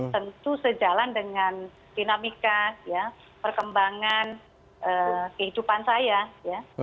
tentu sejalan dengan dinamika ya perkembangan kehidupan saya ya